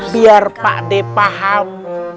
biar pak d paham